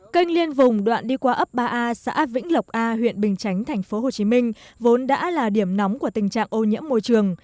kênh liên vùng đoạn đi qua ấp ba a xã vĩnh lộc a huyện bình chánh tp hcm vốn đã là điểm nóng của tình trạng ô nhiễm môi trường